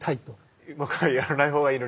はい。